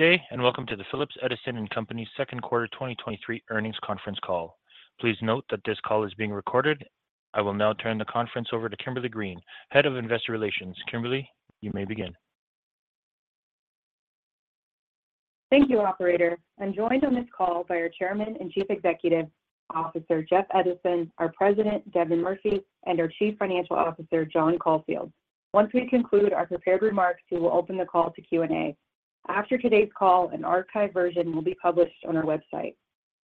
Good day, and welcome to the Phillips Edison & Company second quarter 2023 earnings conference call. Please note that this call is being recorded. I will now turn the conference over to Kimberly Green, Head of Investor Relations. Kimberly, you may begin. Thank you, operator. I'm joined on this call by our Chairman and Chief Executive Officer, Jeff Edison, our President, Devin Murphy, and our Chief Financial Officer, John Caulfield. Once we conclude our prepared remarks, we will open the call to Q&A. After today's call, an archive version will be published on our website.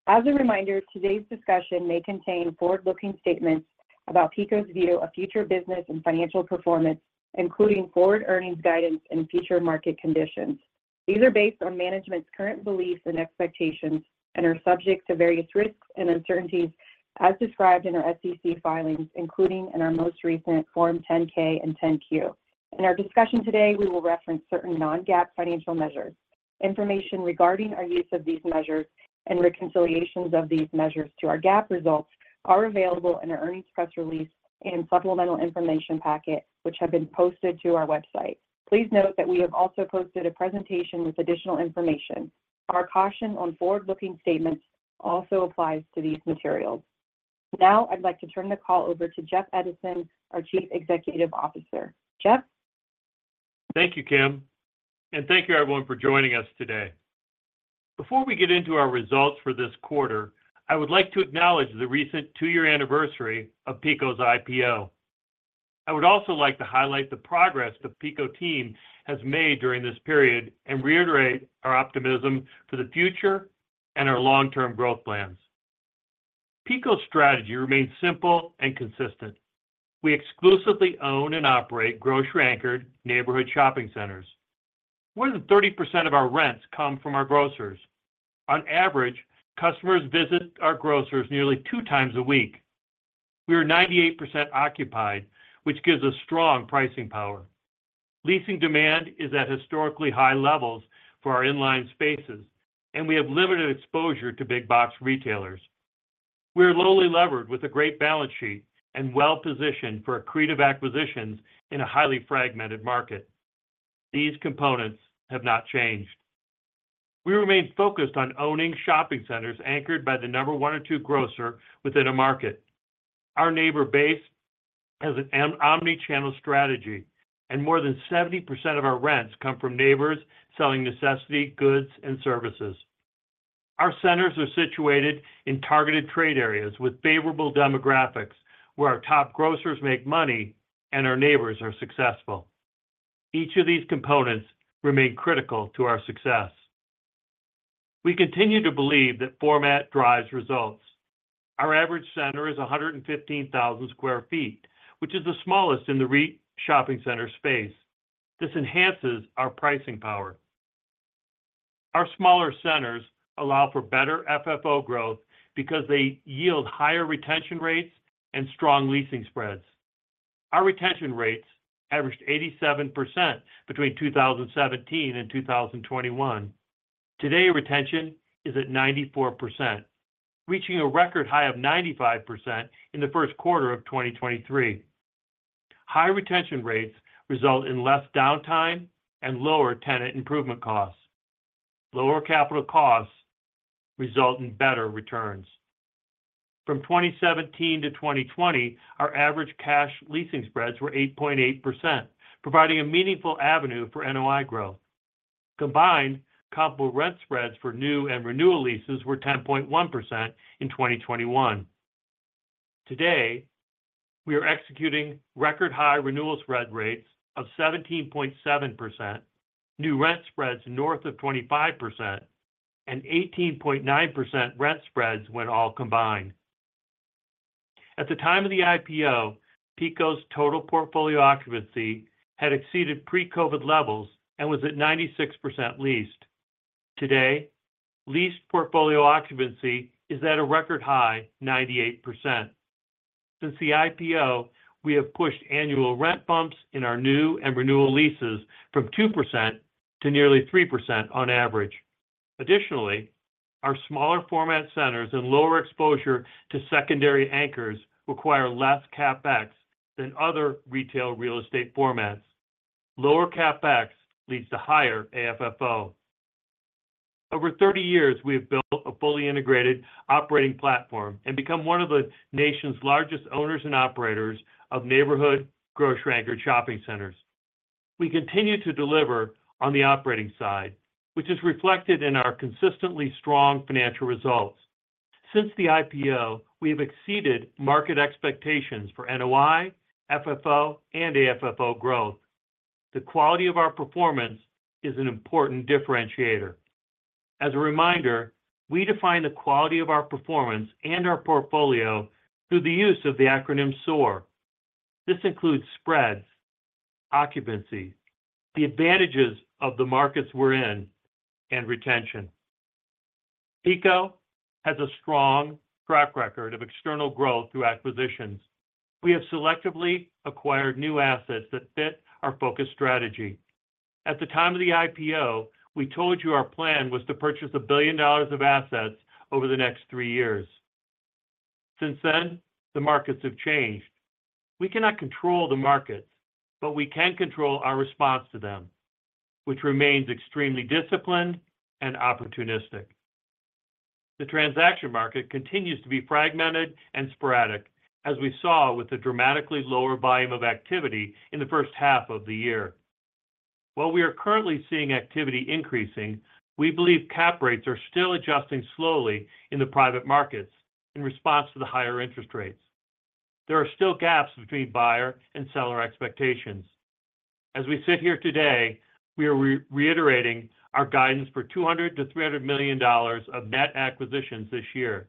As a reminder, today's discussion may contain forward-looking statements about PECO's view of future business and financial performance, including forward earnings guidance and future market conditions. These are based on management's current beliefs and expectations and are subject to various risks and uncertainties as described in our SEC filings, including in our most recent Form 10-K and 10-Q. In our discussion today, we will reference certain non-GAAP financial measures. Information regarding our use of these measures and reconciliations of these measures to our GAAP results are available in our earnings press release and supplemental information packet, which have been posted to our website. Please note that we have also posted a presentation with additional information. Our caution on forward-looking statements also applies to these materials. I'd like to turn the call over to Jeff Edison, our Chief Executive Officer. Jeff? Thank you, Kim, and thank you, everyone, for joining us today. Before we get into our results for this quarter, I would like to acknowledge the recent two-year anniversary of PECO's IPO. I would also like to highlight the progress the PECO team has made during this period and reiterate our optimism for the future and our long-term growth plans. PECO's strategy remains simple and consistent. We exclusively own and operate grocery-anchored neighborhood shopping centers. More than 30% of our rents come from our grocers. On average, customers visit our grocers nearly 2 times a week. We are 98% occupied, which gives us strong pricing power. Leasing demand is at historically high levels for our in-line spaces, and we have limited exposure to big box retailers. We are lowly levered with a great balance sheet and well-positioned for accretive acquisitions in a highly fragmented market. These components have not changed. We remain focused on owning shopping centers anchored by the number one or two grocer within a market. Our neighbor base has an omnichannel strategy, and more than 70% of our rents come from neighbors selling necessity, goods, and services. Our centers are situated in targeted trade areas with favorable demographics, where our top grocers make money and our neighbors are successful. Each of these components remain critical to our success. We continue to believe that format drives results. Our average center is 115,000 sq ft, which is the smallest in the REIT shopping center space. This enhances our pricing power. Our smaller centers allow for better FFO growth because they yield higher retention rates and strong leasing spreads. Our retention rates averaged 87% between 2017 and 2021. Today, retention is at 94%, reaching a record high of 95% in the first quarter of 2023. High retention rates result in less downtime and lower tenant improvement costs. Lower capital costs result in better returns. From 2017 to 2020, our average cash leasing spreads were 8.8%, providing a meaningful avenue for NOI growth. Combined, comparable rent spreads for new and renewal leases were 10.1% in 2021. Today, we are executing record-high renewal spread rates of 17.7%, new rent spreads north of 25%, and 18.9% rent spreads when all combined. At the time of the IPO, PECO's total portfolio occupancy had exceeded pre-COVID levels and was at 96% leased. Today, leased portfolio occupancy is at a record high 98%. Since the IPO, we have pushed annual rent bumps in our new and renewal leases from 2% to nearly 3% on average. Additionally, our smaller format centers and lower exposure to secondary anchors require less CapEx than other retail real estate formats. Lower CapEx leads to higher AFFO. Over 30 years, we have built a fully integrated operating platform and become one of the nation's largest owners and operators of neighborhood grocery anchored shopping centers. We continue to deliver on the operating side, which is reflected in our consistently strong financial results. Since the IPO, we have exceeded market expectations for NOI, FFO, and AFFO growth. The quality of our performance is an important differentiator. As a reminder, we define the quality of our performance and our portfolio through the use of the acronym SOAR. This includes Spreads, Occupancy, the Advantages of the markets we're in, and Retention. PECO has a strong track record of external growth through acquisitions. We have selectively acquired new assets that fit our focus strategy. At the time of the IPO, we told you our plan was to purchase $1 billion of assets over the next three years. Since then, the markets have changed. We cannot control the markets, but we can control our response to them, which remains extremely disciplined and opportunistic. The transaction market continues to be fragmented and sporadic, as we saw with the dramatically lower volume of activity in the first half of the year. While we are currently seeing activity increasing, we believe cap rates are still adjusting slowly in the private markets in response to the higher interest rates. There are still gaps between buyer and seller expectations. As we sit here today, we are reiterating our guidance for $200 million-$300 million of net acquisitions this year.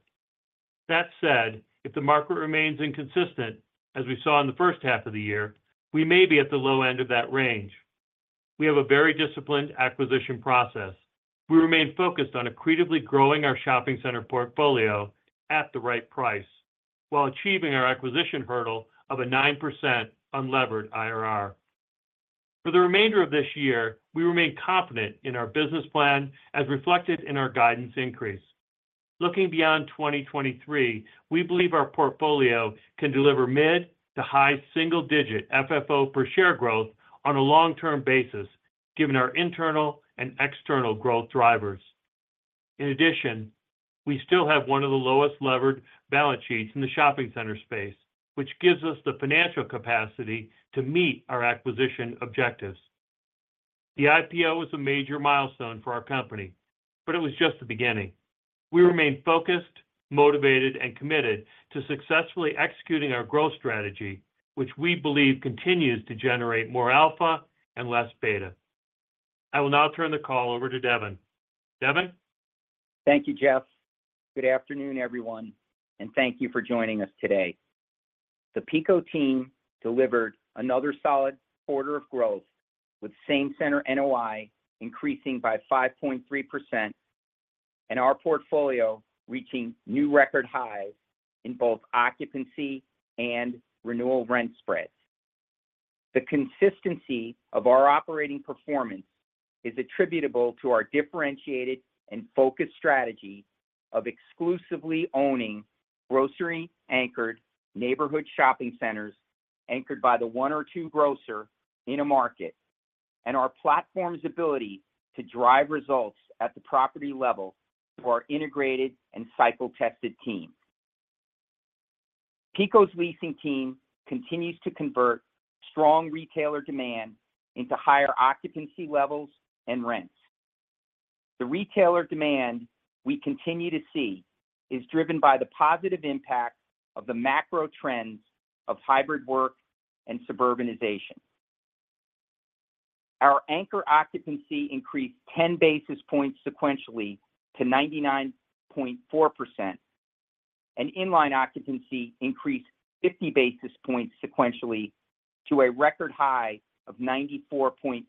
That said, if the market remains inconsistent, as we saw in the first half of the year, we may be at the low end of that range. We have a very disciplined acquisition process. We remain focused on accretively growing our shopping center portfolio at the right price, while achieving our acquisition hurdle of a 9% unlevered IRR. For the remainder of this year, we remain confident in our business plan as reflected in our guidance increase. Looking beyond 2023, we believe our portfolio can deliver mid to high single digit FFO per share growth on a long-term basis, given our internal and external growth drivers. In addition, we still have one of the lowest levered balance sheets in the shopping center space, which gives us the financial capacity to meet our acquisition objectives. The IPO is a major milestone for our company, but it was just the beginning. We remain focused, motivated, and committed to successfully executing our growth strategy, which we believe continues to generate more alpha and less beta. I will now turn the call over to Devin. Devin? Thank you, Jeff. Good afternoon, everyone, and thank you for joining us today. The PECO team delivered another solid quarter of growth, with same center NOI increasing by 5.3%, and our portfolio reaching new record highs in both occupancy and renewal rent spreads. The consistency of our operating performance is attributable to our differentiated and focused strategy of exclusively owning grocery-anchored neighborhood shopping centers, anchored by the one or two grocer in a market, and our platform's ability to drive results at the property level through our integrated and cycle-tested team. PECO's leasing team continues to convert strong retailer demand into higher occupancy levels and rents. The retailer demand we continue to see is driven by the positive impact of the macro trends of hybrid work and suburbanization. Our anchor occupancy increased 10 basis points sequentially to 99.4%, and in-line occupancy increased 50 basis points sequentially to a record high of 94.8%,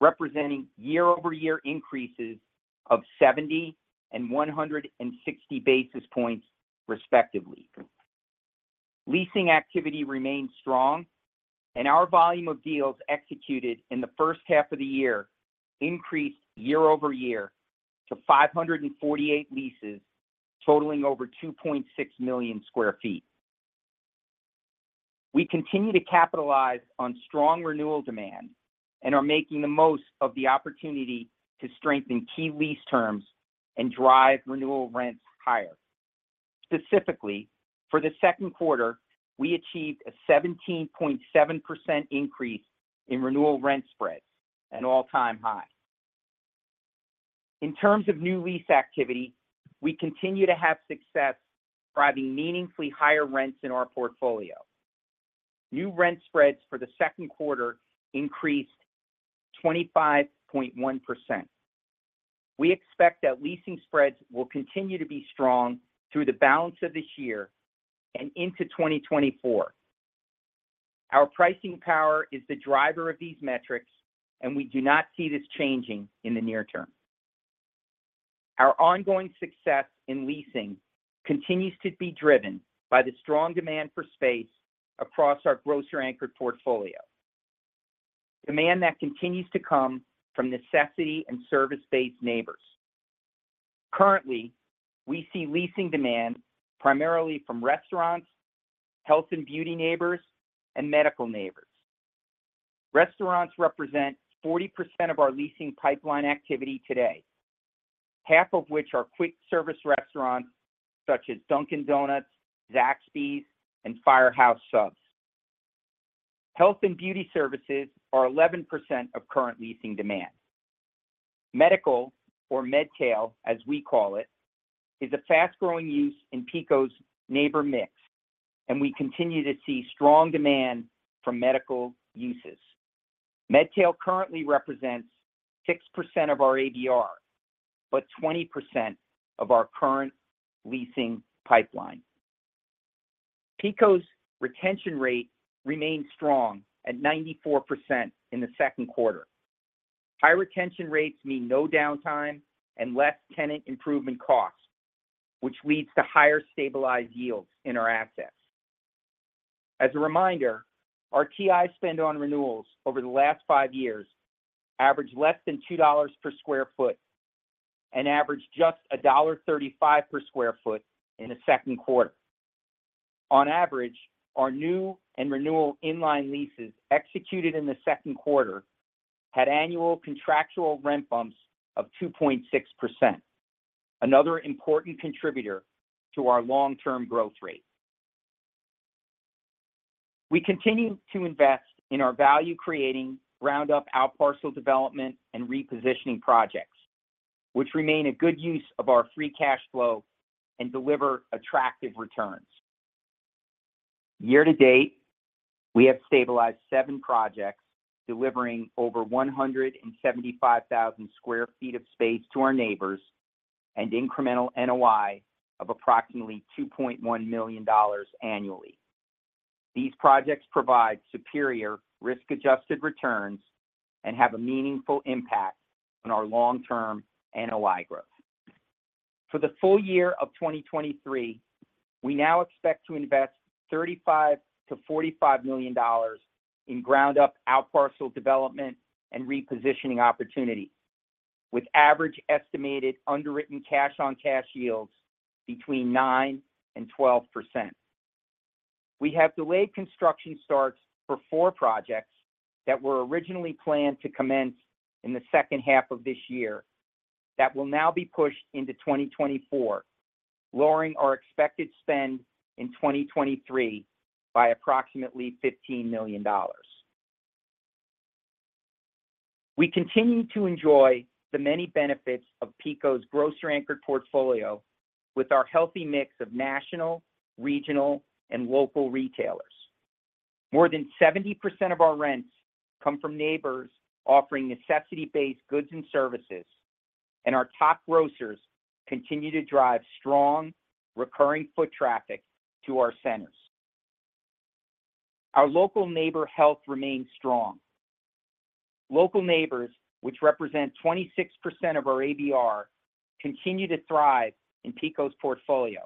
representing year-over-year increases of 70 and 160 basis points, respectively. Leasing activity remains strong, and our volume of deals executed in the first half of the year increased year-over-year to 548 leases, totaling over 2.6 million sq ft. We continue to capitalize on strong renewal demand and are making the most of the opportunity to strengthen key lease terms and drive renewal rents higher. Specifically, for the second quarter, we achieved a 17.7% increase in renewal rent spreads, an all-time high. In terms of new lease activity, we continue to have success driving meaningfully higher rents in our portfolio. New rent spreads for the second quarter increased 25.1%. We expect that leasing spreads will continue to be strong through the balance of this year and into 2024. Our pricing power is the driver of these metrics, and we do not see this changing in the near term. Our ongoing success in leasing continues to be driven by the strong demand for space across our grocery-anchored portfolio. Demand that continues to come from necessity and service-based neighbors. Currently, we see leasing demand primarily from restaurants, health and beauty neighbors, and medical neighbors. Restaurants represent 40% of our leasing pipeline activity today, half of which are quick service restaurants such as Dunkin' Donuts, Zaxby's, and Firehouse Subs. Health and beauty services are 11% of current leasing demand. Medical, or Medtail, as we call it, is a fast-growing use in PECO's neighbor mix, and we continue to see strong demand for medical uses. Medtail currently represents 6% of our ABR, but 20% of our current leasing pipeline. PECO's retention rate remains strong at 94% in the second quarter. High retention rates mean no downtime and less tenant improvement costs, which leads to higher stabilized yields in our assets. As a reminder, our TI spend on renewals over the last five years averaged less than $2 per square foot and averaged just $1.35 per square foot in the second quarter. On average, our new and renewal inline leases executed in the second quarter had annual contractual rent bumps of 2.6%, another important contributor to our long-term growth rate. We continue to invest in our value, creating ground-up outparcel development and repositioning projects, which remain a good use of our free cash flow and deliver attractive returns. Year-to-date, we have stabilized seven projects, delivering over 175,000 sq ft of space to our neighbors and incremental NOI of approximately $2.1 million annually. These projects provide superior risk-adjusted returns and have a meaningful impact on our long-term NOI growth. For the full year of 2023, we now expect to invest $35 million-$45 million in ground-up outparcel development and repositioning opportunities, with average estimated underwritten cash on cash yields between 9% and 12%. We have delayed construction starts for four projects that were originally planned to commence in the second half of this year. That will now be pushed into 2024, lowering our expected spend in 2023 by approximately $15 million. We continue to enjoy the many benefits of PECO's grocery-anchored portfolio with our healthy mix of national, regional, and local retailers. More than 70% of our rents come from neighbors offering necessity-based goods and services, and our top grocers continue to drive strong, recurring foot traffic to our centers. Our local neighbor health remains strong. Local neighbors, which represent 26% of our ABR, continue to thrive in PECO's portfolio,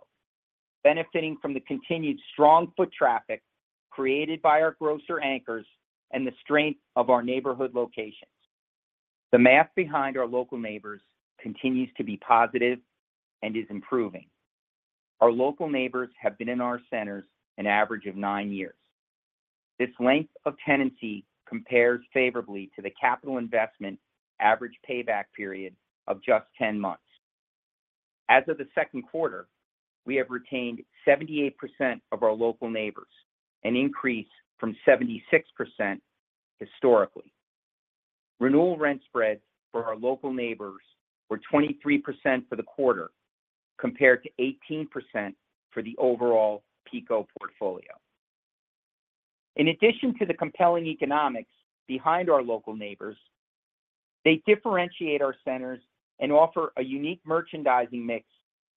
benefiting from the continued strong foot traffic created by our grocer anchors and the strength of our neighborhood locations. The math behind our local neighbors continues to be positive and is improving. Our local neighbors have been in our centers an average of nine years. This length of tenancy compares favorably to the capital investment average payback period of just 10 months. As of the second quarter, we have retained 78% of our local neighbors, an increase from 76% historically. Renewal rent spreads for our local neighbors were 23% for the quarter, compared to 18% for the overall PECO portfolio. In addition to the compelling economics behind our local neighbors, they differentiate our centers and offer a unique merchandising mix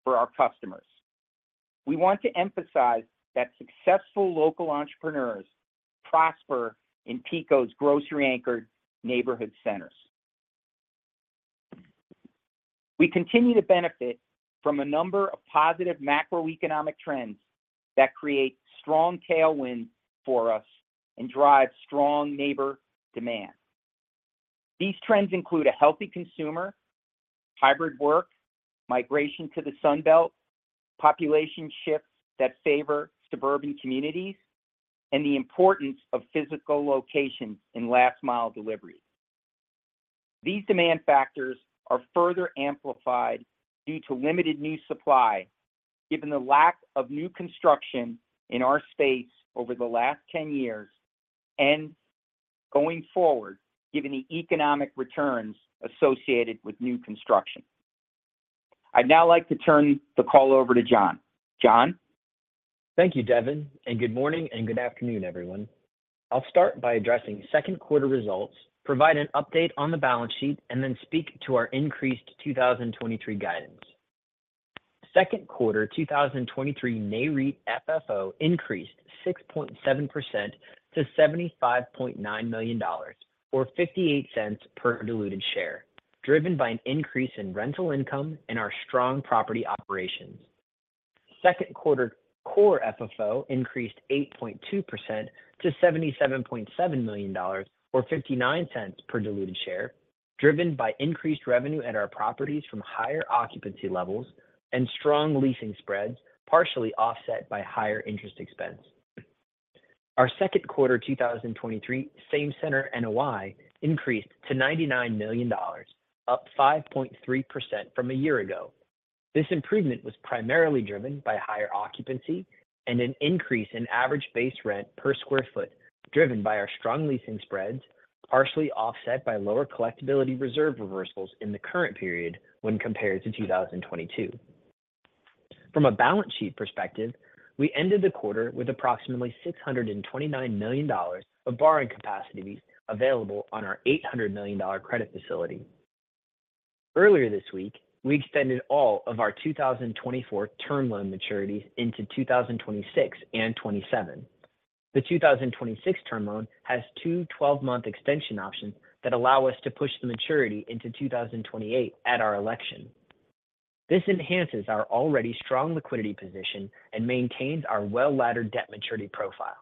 for our customers. We want to emphasize that successful local entrepreneurs prosper in PECO's grocery-anchored neighborhood centers. We continue to benefit from a number of positive macroeconomic trends that create strong tailwinds for us and drive strong neighbor demand. These trends include a healthy consumer, hybrid work, migration to the Sun Belt, population shifts that favor suburban communities, and the importance of physical locations in last mile delivery. These demand factors are further amplified due to limited new supply, given the lack of new construction in our space over the last 10 years and going forward, given the economic returns associated with new construction. I'd now like to turn the call over to John. John? Thank you, Devin. Good morning, and good afternoon, everyone. I'll start by addressing second quarter results, provide an update on the balance sheet, and then speak to our increased 2023 guidance. Second quarter 2023 NAREIT FFO increased 6.7% to $75.9 million, or $0.58 per diluted share, driven by an increase in rental income and our strong property operations. Second quarter core FFO increased 8.2% to $77.7 million or $0.59 per diluted share, driven by increased revenue at our properties from higher occupancy levels and strong leasing spreads, partially offset by higher interest expense. Our second quarter 2023 same center NOI increased to $99 million, up 5.3% from a year ago. This improvement was primarily driven by higher occupancy and an increase in average base rent per square foot, driven by our strong leasing spreads, partially offset by lower collectibility reserve reversals in the current period when compared to 2022. From a balance sheet perspective, we ended the quarter with approximately $629 million of borrowing capacity available on our $800 million credit facility. Earlier this week, we extended all of our 2024 term loan maturities into 2026 and 2027. The 2026 term loan has two 12-month extension options that allow us to push the maturity into 2028 at our election. This enhances our already strong liquidity position and maintains our well-laddered debt maturity profile.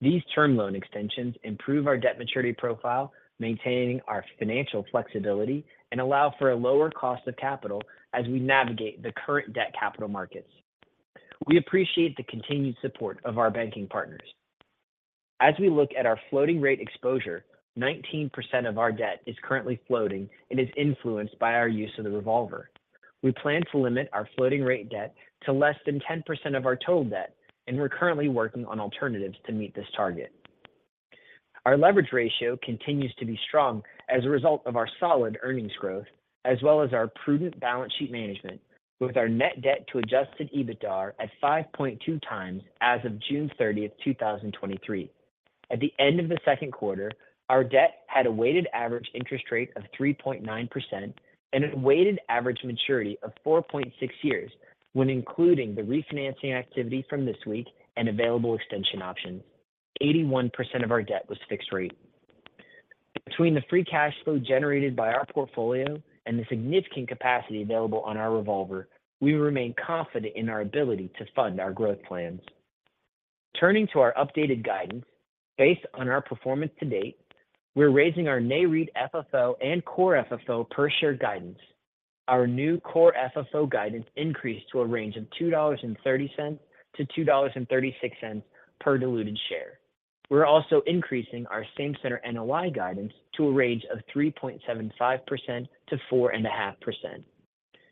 These term loan extensions improve our debt maturity profile, maintaining our financial flexibility, and allow for a lower cost of capital as we navigate the current debt capital markets. We appreciate the continued support of our banking partners. As we look at our floating rate exposure, 19% of our debt is currently floating and is influenced by our use of the revolver. We plan to limit our floating rate debt to less than 10% of our total debt, and we're currently working on alternatives to meet this target. Our leverage ratio continues to be strong as a result of our solid earnings growth, as well as our prudent balance sheet management, with our net debt to adjusted EBITDA at 5.2x as of June 30th, 2023. At the end of the second quarter, our debt had a weighted average interest rate of 3.9% and a weighted average maturity of 4.6 years, when including the refinancing activity from this week and available extension options. 81% of our debt was fixed rate. Between the free cash flow generated by our portfolio and the significant capacity available on our revolver, we remain confident in our ability to fund our growth plans. Turning to our updated guidance, based on our performance to date, we're raising our NAREIT FFO and core FFO per share guidance. Our new core FFO guidance increased to a range of $2.30-$2.36 per diluted share. We're also increasing our same center NOI guidance to a range of 3.75%-4.5%.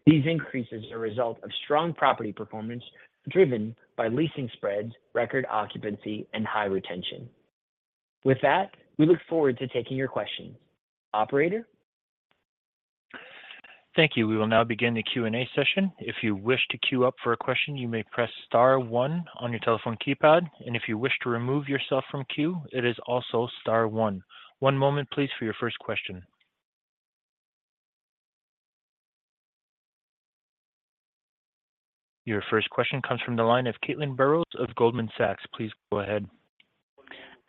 These increases are a result of strong property performance, driven by leasing spreads, record occupancy, and high retention. With that, we look forward to taking your questions. Operator? Thank you. We will now begin the Q&A session. If you wish to queue up for a question, you may press star one on your telephone keypad, if you wish to remove yourself from queue, it is also star one. One moment, please, for your first question. Your first question comes from the line of Caitlin Burrows of Goldman Sachs. Please go ahead.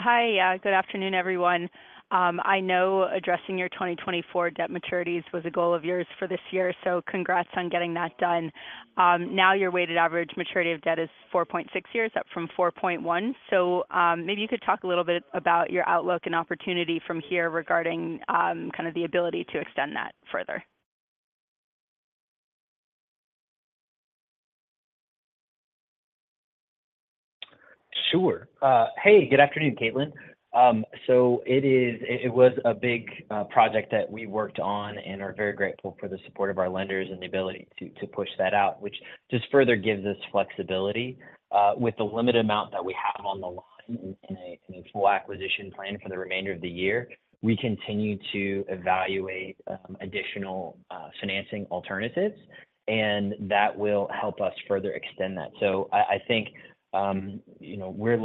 Hi. Good afternoon, everyone. I know addressing your 2024 debt maturities was a goal of yours for this year, so congrats on getting that done. Now, your weighted average maturity of debt is 4.6 years, up from 4.1. Maybe you could talk a little bit about your outlook and opportunity from here regarding, kind of the ability to extend that further. Sure. hey, good afternoon, Caitlin. It was a big project that we worked on and are very grateful for the support of our lenders and the ability to, to push that out, which just further gives us flexibility. With the limited amount that we have on the line in a, in a full acquisition plan for the remainder of the year, we continue to evaluate, additional financing alternatives, and that will help us further extend that. I, I think, you know, we'd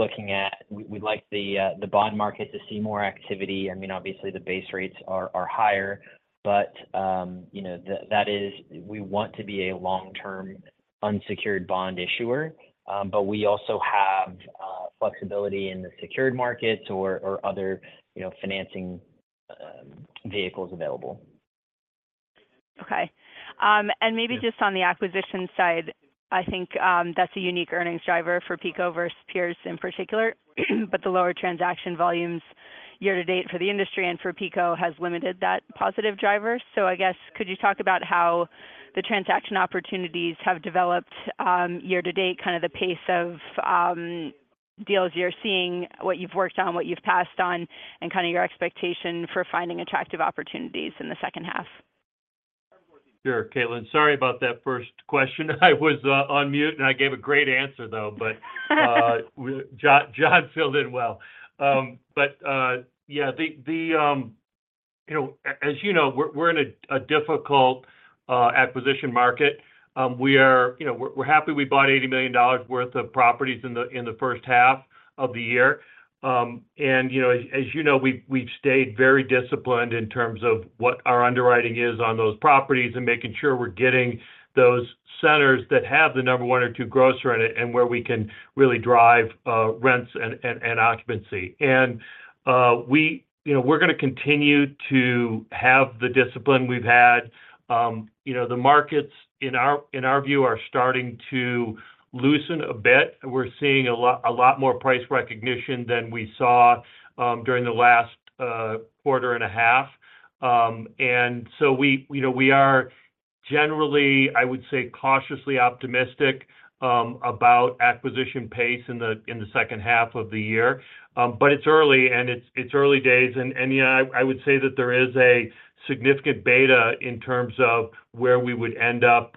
like the bond market to see more activity. I mean, obviously, the base rates are, are higher, but, you know, that is-- we want to be a long-term, unsecured bond issuer. We also have flexibility in the secured markets or, or other, you know, financing vehicles available. Okay. maybe just on the acquisition side, I think, that's a unique earnings driver for PECO versus peers in particular, but the lower transaction volumes year-to-date for the industry and for PECO has limited that positive driver. I guess, could you talk about how the transaction opportunities have developed, year-to-date, kind of the pace of, deals you're seeing, what you've worked on, what you've passed on, and kind of your expectation for finding attractive opportunities in the second half? Sure, Caitlin. Sorry about that first question. I was on mute. I gave a great answer, though. John, John filled in well. Yeah, the, the, you know, as you know, we're, we're in a difficult acquisition market. We, you know, we're happy we bought $80 million worth of properties in the first half of the year. You know, as, as you know, we've, we've stayed very disciplined in terms of what our underwriting is on those properties and making sure we're getting those centers that have the number one or two grocer in it, and where we can really drive rents and, and, and occupancy. We, you know, we're gonna continue to have the discipline we've had. You know, the markets, in our, in our view, are starting to loosen a bit, and we're seeing a lot, a lot more price recognition than we saw during the last quarter and a half. We, you know, we are generally, I would say, cautiously optimistic about acquisition pace in the second half of the year. It's early, and it's, it's early days, and, yeah, I, I would say that there is a significant beta in terms of where we would end up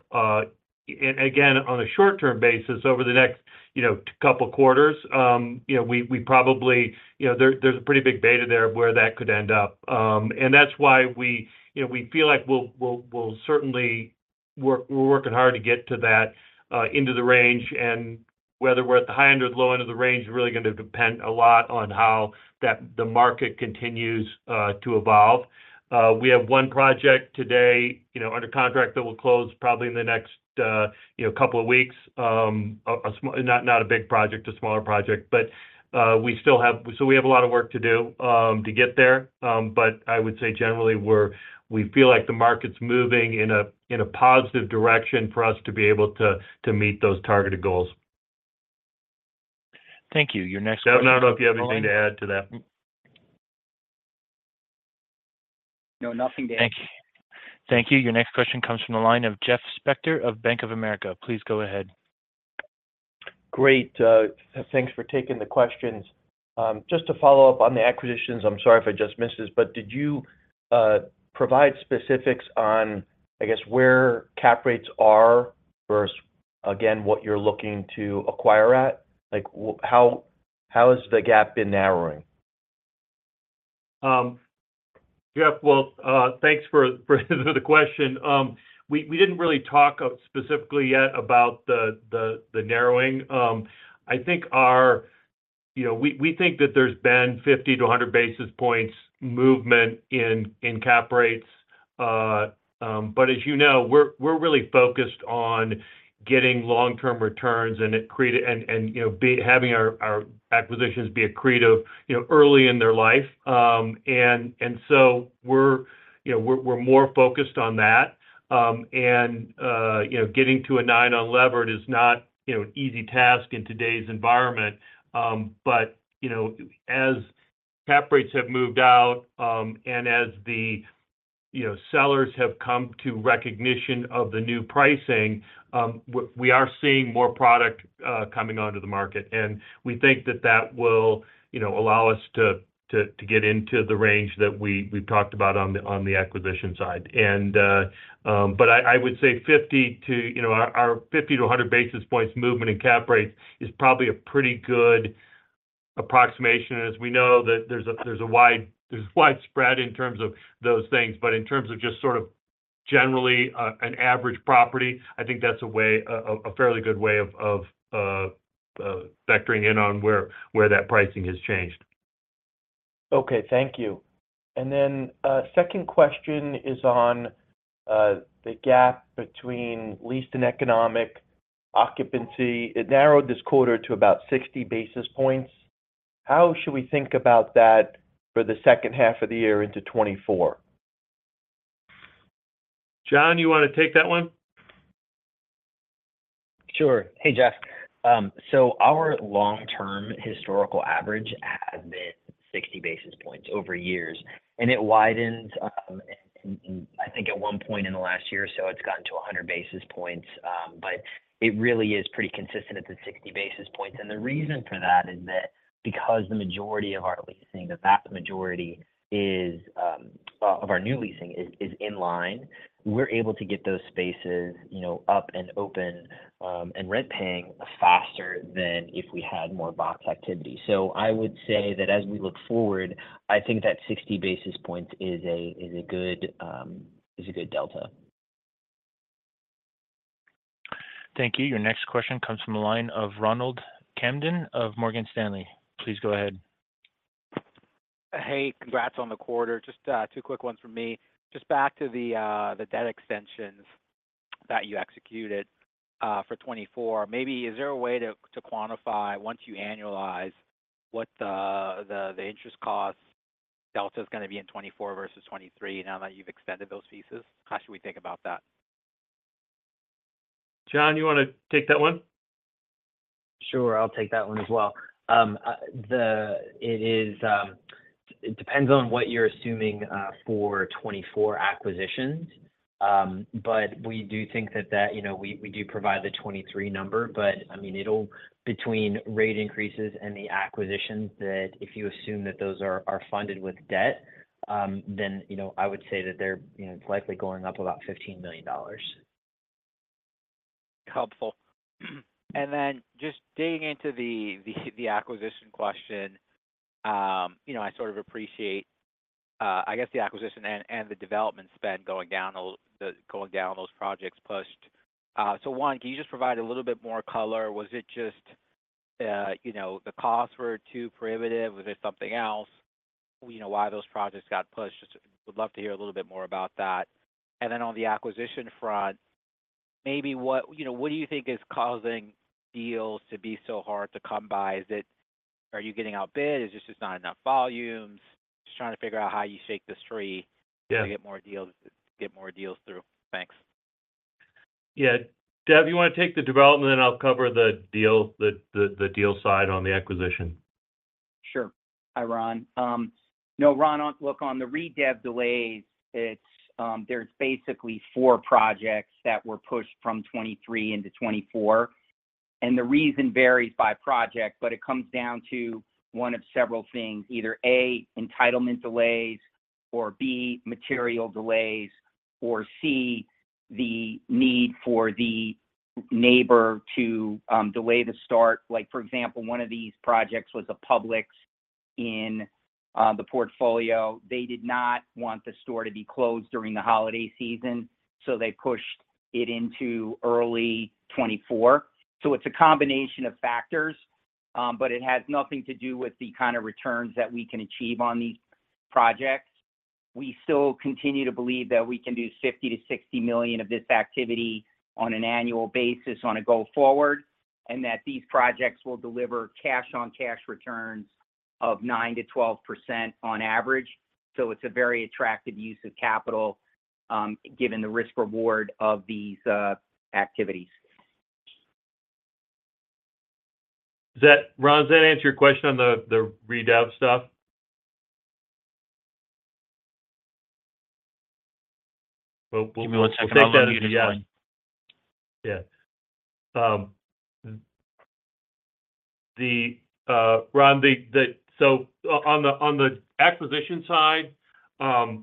again, on a short-term basis over the next, you know, couple quarters. You know, we probably-- you know, there, there's a pretty big beta there of where that could end up. That's why we, you know, we feel like we'll, we'll, we'll certainly... We're, we're working hard to get to that into the range. Whether we're at the high end or the low end of the range is really gonna depend a lot on how the market continues to evolve. We have one project today, you know, under contract, that will close probably in the next, you know, two weeks. Not, not a big project, a smaller project, but we still have so we have a lot of work to do to get there. I would say generally, we feel like the market's moving in a positive direction for us to be able to meet those targeted goals. Thank you. Your next question- Dev, I don't know if you have anything to add to that? No, nothing to add. Thank you. Thank you. Your next question comes from the line of Jeff Spector of Bank of America. Please go ahead. Great, thanks for taking the questions. Just to follow up on the acquisitions, I'm sorry if I just missed this, but did you provide specifics on, I guess, where cap rates are versus, again, what you're looking to acquire at? Like, how, how has the gap been narrowing? Jeff, well, thanks for, for the question. We, we didn't really talk specifically yet about the, the, the narrowing. I think our-- you know, we, we think that there's been 50-100 basis points movement in, in cap rates. As you know, we're, we're really focused on getting long-term returns and it create-- and, and, you know, be, having our, our acquisitions be accretive, you know, early in their life. And so we're, you know, we're, we're more focused on that. You know, getting to a nine on levered is not, you know, an easy task in today's environment. You know, as cap rates have moved out, and as the, you know, sellers have come to recognition of the new pricing, we, we are seeing more product coming onto the market. We think that that will, you know, allow us to, to, to get into the range that we, we've talked about on the acquisition side. I, I would say 50 to, you know, our 50-100 basis points movement in cap rates is probably a pretty good approximation, as we know that there's a, there's a wide- there's a wide spread in terms of those things. In terms of just sort of generally, an average property, I think that's a way, a, a fairly good way of, of, factoring in on where, where that pricing has changed. Okay, thank you. Second question is on the gap between leased and economic occupancy. It narrowed this quarter to about 60 basis points. How should we think about that for the second half of the year into 2024? John, you want to take that one? Sure. Hey, Jeff. Our long-term historical average has been 60 basis points over years, and it widens, and, and I think at one point in the last year or so, it's gotten to 100 basis points. It really is pretty consistent at the 60 basis points. The reason for that is that because the majority of our leasing, the vast majority is of our new leasing is, is in line, we're able to get those spaces, you know, up and open, and rent paying faster than if we had more box activity. I would say that as we look forward, I think that 60 basis points is a, is a good, is a good delta. Thank you. Your next question comes from the line of Ronald Kamdem of Morgan Stanley. Please go ahead. Hey, congrats on the quarter. Just two quick ones from me. Just back to the debt extensions that you executed for 2024. Maybe is there a way to, to quantify once you annualize, what the, the, the interest cost delta is gonna be in 2024 versus 2023, now that you've extended those pieces? How should we think about that? John, you want to take that one? Sure, I'll take that one as well. it is, it depends on what you're assuming, for 2024 acquisitions. but we do think that, that, you know, we, we do provide the 2023 number, but I mean, it'll between rate increases and the acquisitions, that if you assume that those are, are funded with debt, then, you know, I would say that they're, you know, it's likely going up about $15 million. Helpful. Just digging into the, the, the acquisition question, you know, I sort of appreciate, I guess, the acquisition and, and the development spend going down, going down, those projects pushed. One, can you just provide a little bit more color? Was it just, you know, the costs were too prohibitive, or was there something else? We know why those projects got pushed. Just would love to hear a little bit more about that. Then on the acquisition front, maybe what? You know, what do you think is causing deals to be so hard to come by? Is it, are you getting outbid? Is this just not enough volumes? Just trying to figure out how you shake this tree. Yeah to get more deals, get more deals through. Thanks. Yeah. Dev, you want to take the development, and I'll cover the deal, the deal side on the acquisition? Sure. Hi, Ron. No, Ron, look, on the Redev delays, it's, there's basically four projects that were pushed from 2023 into 2024. The reason varies by project, but it comes down to one of several things. Either, A, entitlement delays, or B, material delays, or C, the need for the neighbor to delay the start. Like, for example, one of these projects was a Publix in the portfolio. They did not want the store to be closed during the holiday season. They pushed it into early 2024. It's a combination of factors. It has nothing to do with the kind of returns that we can achieve on these projects. We still continue to believe that we can do $50 million-$60 million of this activity on an annual basis, on a go forward, and that these projects will deliver cash on cash returns of 9%-12% on average. It's a very attractive use of capital, given the risk reward of these activities. Does that, Ron, does that answer your question on the, the Redev stuff? Well, we'll... Give me one second. I'm on mute, sorry. Yeah. Ron, on the acquisition side, I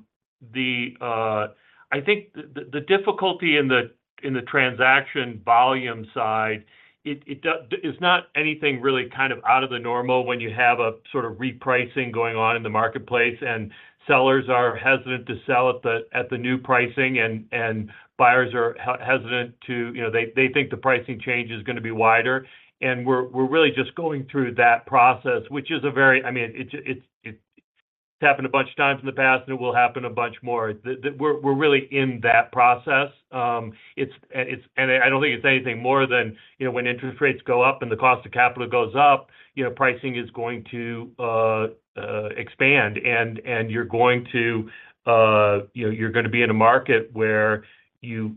think the difficulty in the transaction volume side, it's not anything really kind of out of the normal when you have a sort of repricing going on in the marketplace, and sellers are hesitant to sell at the new pricing, and buyers are hesitant to you know, they think the pricing change is going to be wider. We're really just going through that process, which is a very. I mean, it's, it's, it's happened a bunch of times in the past, and it will happen a bunch more. We're really in that process. It's, and I don't think it's anything more than, you know, when interest rates go up and the cost of capital goes up, you know, pricing is going to expand. You're going to, you know, you're going to be in a market where you,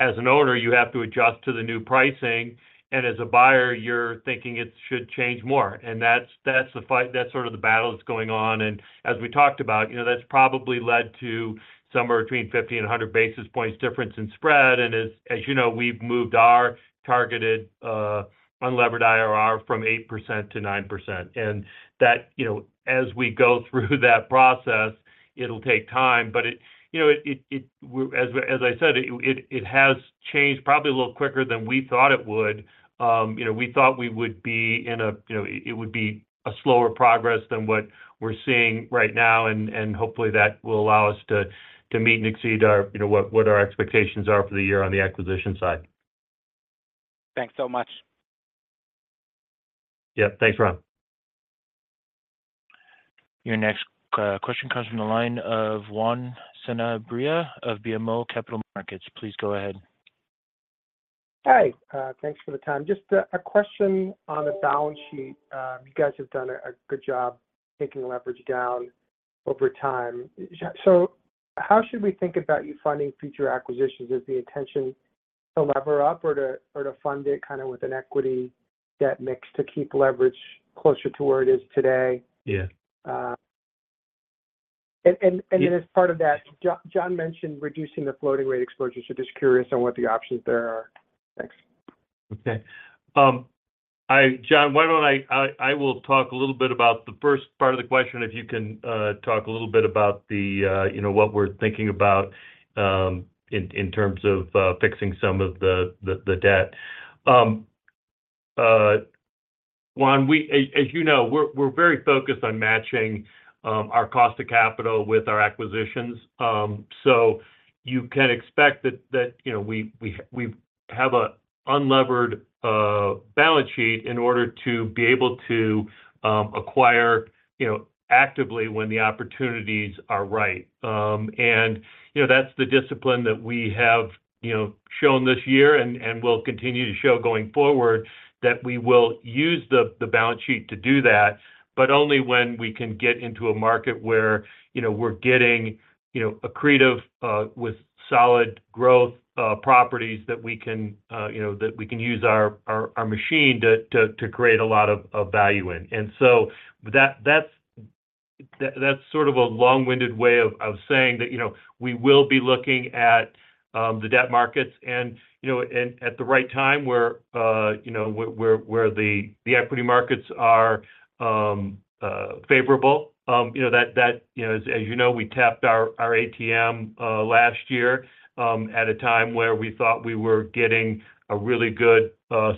as an owner, you have to adjust to the new pricing, and as a buyer, you're thinking it should change more. That's, that's the fight, that's sort of the battle that's going on. As we talked about, you know, that's probably led to somewhere between 50 and 100 basis points difference in spread. As, as you know, we've moved our targeted unlevered IRR from 8% to 9%. That, you know, as we go through that process, it'll take time, but it, you know, it, it, as, as I said, it, it has changed probably a little quicker than we thought it would. You know, we thought we would be in a, you know, it would be a slower progress than what we're seeing right now, and, and hopefully that will allow us to, to meet and exceed our, you know, what, what our expectations are for the year on the acquisition side. Thanks so much. Yeah. Thanks, Ron. Your next question comes from the line of Juan Sanabria of BMO Capital Markets. Please go ahead. Hi, thanks for the time. Just a question on the balance sheet. You guys have done a good job taking leverage down over time. How should we think about you funding future acquisitions? Is the intention to lever up or to fund it kind of with an equity debt mix to keep leverage closer to where it is today? Yeah. Then as part of that, John mentioned reducing the floating rate exposure. Just curious on what the options there are. Thanks. Okay. John, why don't I, I, I will talk a little bit about the first part of the question, if you can, talk a little bit about the, you know, what we're thinking about, in terms of, fixing some of the, the, the debt. Juan, as, as you know, we're, we're very focused on matching, our cost of capital with our acquisitions. So you can expect that, that, you know, we, we, we have a unlevered balance sheet in order to be able to, acquire, you know, actively when the opportunities are right. You know, that's the discipline that we have, you know, shown this year and, and will continue to show going forward, that we will use the, the balance sheet to do that, but only when we can get into a market where, you know, we're getting, you know, accretive, with solid growth, properties that we can, you know, that we can use our, our, our machine to, to, to create a lot of, of value in. That's, that's sort of a long-winded way of, of saying that, you know, we will be looking at, the debt markets and, you know, and at the right time, where, you know, where, where, where the, the equity markets are, favorable. You know, as you know, we tapped our ATM last year, at a time where we thought we were getting a really good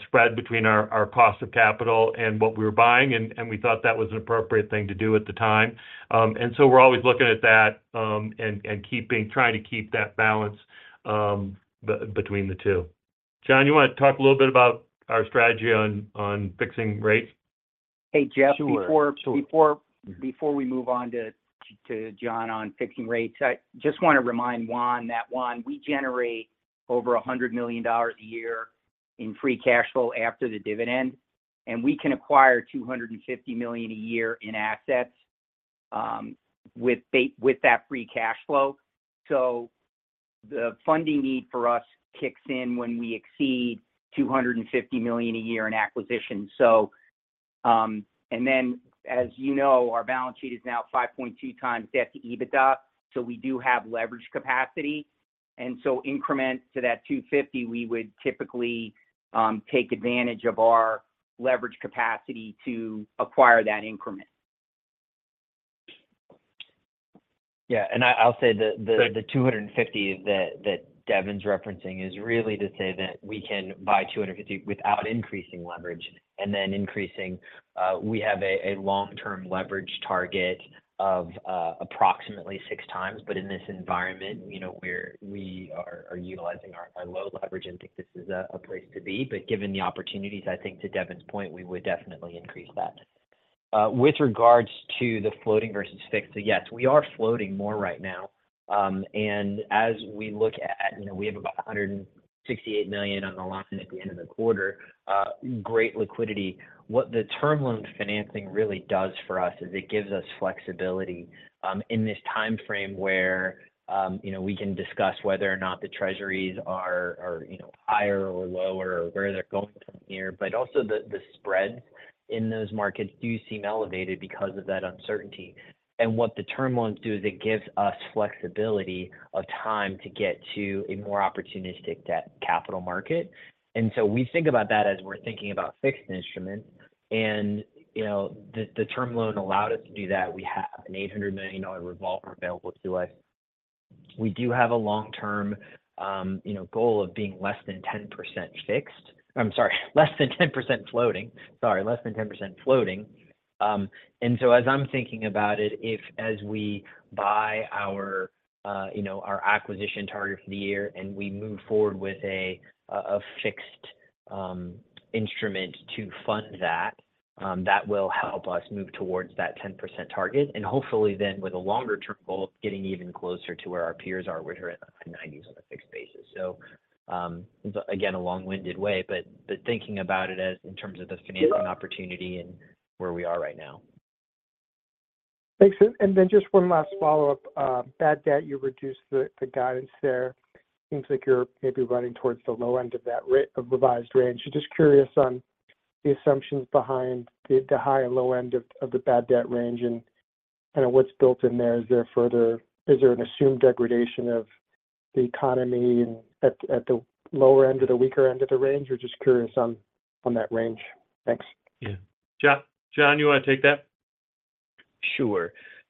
spread between our cost of capital and what we were buying, and we thought that was an appropriate thing to do at the time. So we're always looking at that, and keeping trying to keep that balance between the two. John, you want to talk a little bit about our strategy on fixing rates? Hey, Jeff. Sure, sure. Before we move on to John on fixing rates, I just want to remind Juan that, Juan, we generate over $100 million a year in free cash flow after the dividend, and we can acquire $250 million a year in assets with that free cash flow. The funding need for us kicks in when we exceed $250 million a year in acquisition. Then, as you know, our balance sheet is now 5.2 times debt to EBITDA, so we do have leverage capacity. So increments to that 250, we would typically take advantage of our leverage capacity to acquire that increment. Yeah, I'll say. Sure The 250 that, that Devin's referencing is really to say that we can buy 250 without increasing leverage, and then increasing, we have a, a long-term leverage target of, approximately 6x. In this environment, you know, we're- we are, are utilizing our, our low leverage and think this is a, a place to be. Given the opportunities, I think to Devin's point, we would definitely increase that. With regards to the floating versus fixed, yes, we are floating more right now. As we look at, you know, we have about $168 million on the line at the end of the quarter, great liquidity. What the term loan financing really does for us is it gives us flexibility in this time frame where, you know, we can discuss whether or not the treasuries are, are, you know, higher or lower or where they're going from here. Also the, the spreads in those markets do seem elevated because of that uncertainty. What the term loans do is it gives us flexibility of time to get to a more opportunistic debt capital market. We think about that as we're thinking about fixed instruments. You know, the, the term loan allowed us to do that. We have an $800 million revolver available to us. We do have a long-term, you know, goal of being less than 10% fixed. I'm sorry, less than 10% floating. Sorry, less than 10% floating. So as I'm thinking about it, if as we buy our, you know, our acquisition target for the year, and we move forward with a fixed instrument to fund that, that will help us move towards that 10% target, and hopefully then with a longer-term goal, getting even closer to where our peers are, which are in the 90s on a fixed basis. Again, a long-winded way, but, but thinking about it as in terms of the financing opportunity and where we are right now. Thanks. Then just one last follow-up. bad debt, you reduced the, the guidance there. Seems like you're maybe running towards the low end of that of revised range. Just curious on the assumptions behind the, the high and low end of, of the bad debt range and kind of what's built in there. Is there an assumed degradation of the economy and at, at the lower end of the weaker end of the range? We're just curious on, on that range. Thanks. Yeah. John, John, you want to take that?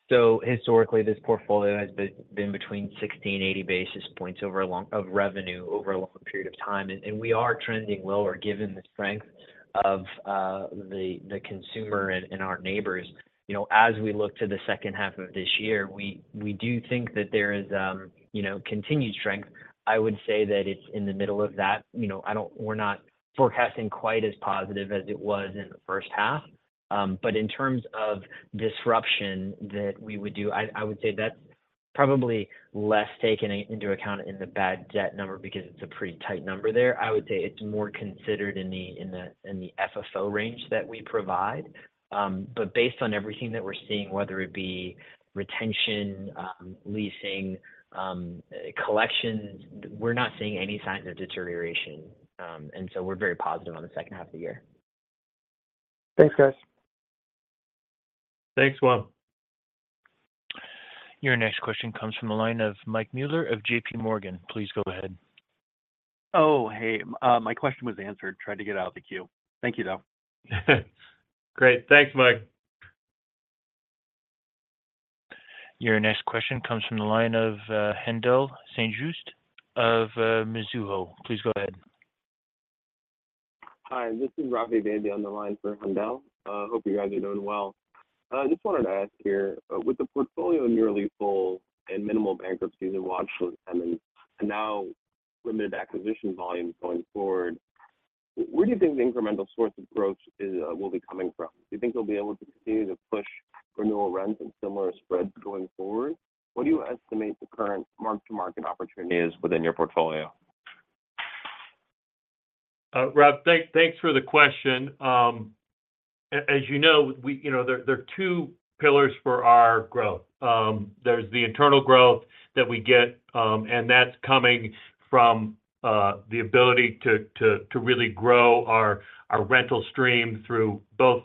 Historically, this portfolio has been between 16 and 80 basis points of revenue over a long period of time. We are trending lower given the strength of the consumer and our neighbors. You know, as we look to the second half of this year, we, we do think that there is, you know, continued strength. I would say that it's in the middle of that. You know, I don't-- we're not forecasting quite as positive as it was in the first half. In terms of disruption that we would do, I, I would say that's probably less taken into account in the bad debt number because it's a pretty tight number there. I would say it's more considered in the, in the, in the FFO range that we provide. Based on everything that we're seeing, whether it be retention, leasing, collections, we're not seeing any signs of deterioration. We're very positive on the second half of the year. Thanks, guys. Thanks, Will. Your next question comes from the line of Mike Mueller of JP Morgan. Please go ahead. Oh, hey. My question was answered. Tried to get out of the queue. Thank you, though. Great. Thanks, Mike. Your next question comes from the line of Haendel St. Juste of Mizuho. Please go ahead. Hi, this is Ravi Vaidya on the line for Haendel. Hope you guys are doing well. Just wanted to ask here, with the portfolio nearly full and minimal bankruptcies and watch lists coming, and now limited acquisition volumes going forward, where do you think the incremental source of growth is, will be coming from? Do you think you'll be able to continue to push renewal rents and similar spreads going forward? What do you estimate the current mark-to-market opportunity is within your portfolio? Ravi, thank, thanks for the question. As you know, we, you know, there, there are two pillars for our growth. There's the internal growth that we get, and that's coming from the ability to, to, to really grow our, our rental stream through both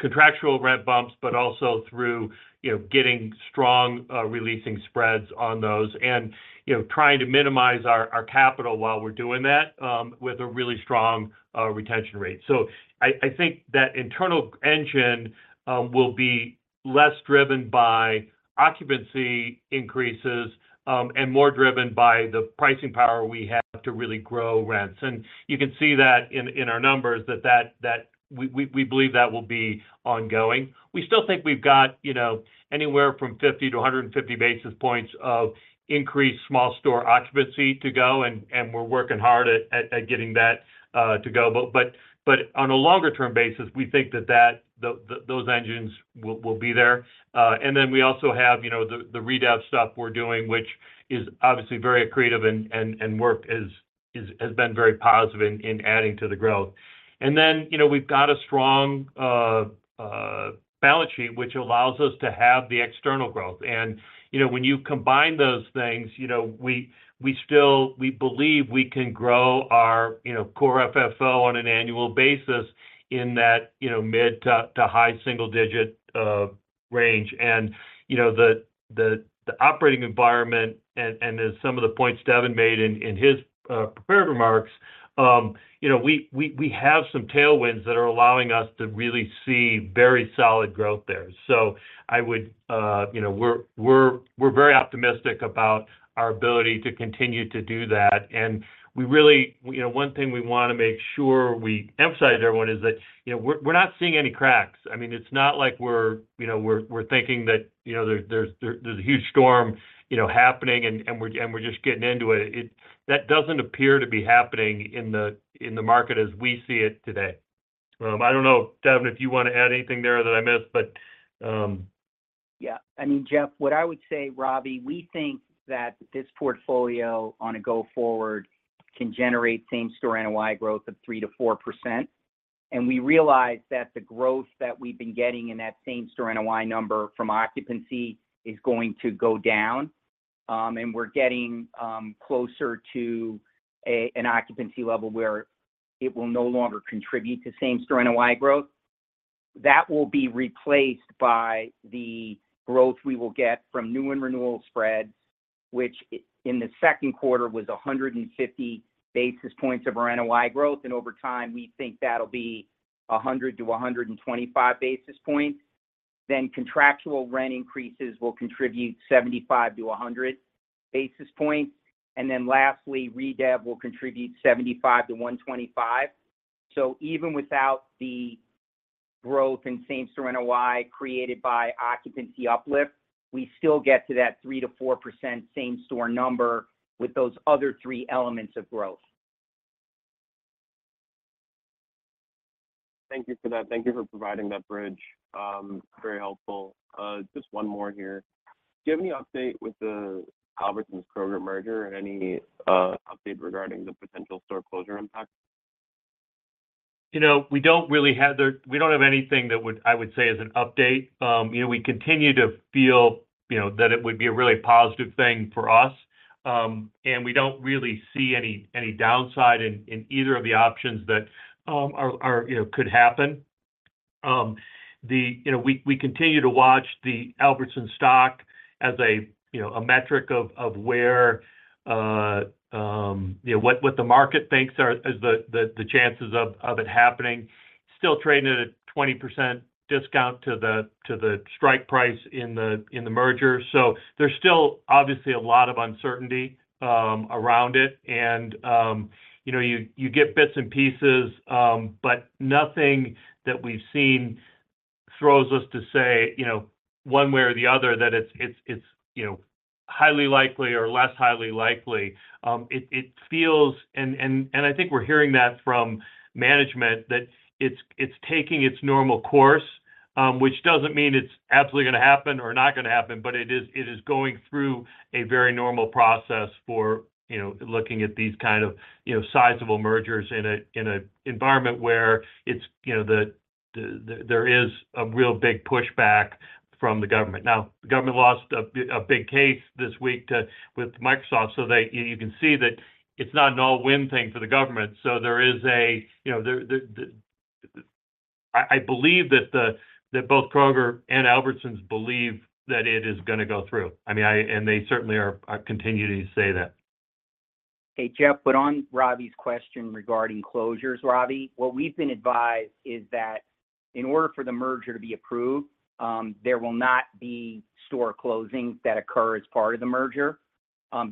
contractual rent bumps, but also through, you know, getting strong releasing spreads on those and, you know, trying to minimize our, our capital while we're doing that, with a really strong retention rate. I, I think that internal engine will be less driven by occupancy increases and more driven by the pricing power we have to really grow rents. You can see that in, in our numbers, that, that, that we, we, we believe that will be ongoing. We still think we've got, you know, anywhere from 50 to 150 basis points of increased small store occupancy to go, we're working hard at getting that to go. On a longer-term basis, we think that those engines will be there. Then we also have, you know, the readout stuff we're doing, which is obviously very accretive and work has been very positive in adding to the growth. Then, you know, we've got a strong balance sheet, which allows us to have the external growth. You know, when you combine those things, you know, we believe we can grow our, you know, core FFO on an annual basis in that, you know, mid to high single digit range. You know, the, the, the operating environment and, and as some of the points Devin made in, in his prepared remarks, you know, we, we, we have some tailwinds that are allowing us to really see very solid growth there. I would, you know, we're, we're, we're very optimistic about our ability to continue to do that. We really, you know, one thing we want to make sure we emphasize to everyone is that, you know, we're, we're not seeing any cracks. I mean, it's not like we're, you know, we're, we're thinking that, you know, there, there's, there's a huge storm, you know, happening and, and we're, and we're just getting into it. That doesn't appear to be happening in the, in the market as we see it today. I don't know, Devin, if you want to add anything there that I missed, but. I mean, Jeff, what I would say, Ravi, we think that this portfolio on a go forward can generate same-store NOI growth of 3% to 4%. We realize that the growth that we've been getting in that same-store NOI number from occupancy is going to go down. We're getting closer to an occupancy level where it will no longer contribute to same-store NOI growth. That will be replaced by the growth we will get from new and renewal spread, which in the second quarter was 150 basis points of our NOI growth. Over time, we think that'll be 100-125 basis points. Contractual rent increases will contribute 75-100 basis points. Lastly, Redev will contribute 75-125 basis points. Even without the growth in same-store NOI created by occupancy uplift, we still get to that 3%-4% same-store number with those other three elements of growth. Thank you for that. Thank you for providing that bridge. very helpful. Just one more here. Do you have any update with the Albertsons Kroger merger, and any update regarding the potential store closure impact? You know, we don't really have anything I would say as an update. You know, we continue to feel, you know, that it would be a really positive thing for us. We don't really see any, any downside in, in either of the options that are, you know, could happen. You know, we continue to watch the Albertsons stock as a, you know, a metric of where, you know, what the market thinks are, is the chances of it happening. Still trading at a 20% discount to the strike price in the merger. There's still obviously a lot of uncertainty around it. You know, you, you get bits and pieces, but nothing that we've seen throws us to say, you know, one way or the other, that it's, it's, it's, you know, highly likely or less highly likely. It, it feels, and, and, and I think we're hearing that from management, that it's, it's taking its normal course, which doesn't mean it's absolutely going to happen or not going to happen, but it is, it is going through a very normal process for, you know, looking at these kind of, you know, sizable mergers in a, in a environment where it's, you know, the, the, there is a real big pushback from the government. Now, the government lost a big case this week with Microsoft, so they, you, you can see that it's not an all-win thing for the government. There is a, you know, I believe that both Kroger and Albertsons believe that it is going to go through. I mean, I and they certainly are continuing to say that. Hey, Jeff, on Ravi's question regarding closures, Ravi, what we've been advised is that in order for the merger to be approved, there will not be store closings that occur as part of the merger,